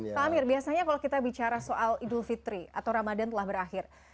pak amir biasanya kalau kita bicara soal idul fitri atau ramadan telah berakhir